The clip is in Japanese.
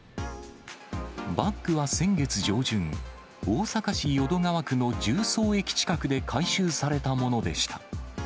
バッグは先月上旬、大阪市淀川区の十三駅近くで回収されたものでした。